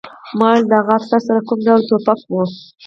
ما وویل د هغه افسر سره کوم ډول ټوپک و